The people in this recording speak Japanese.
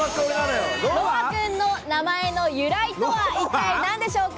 ロワくんの名前の由来とは、一体何でしょうか？